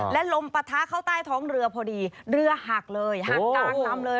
และลมปะทะเข้าใต้ท้องเรือพอดีเรือหักเลยหักกลางลำเลย